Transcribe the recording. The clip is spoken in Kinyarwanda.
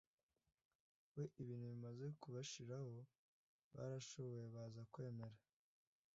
we ibintu bimaze kubashiraho barashobewe, baza kwemera